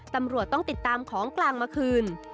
ตำรวจต้องติดตามของกลางมาคืน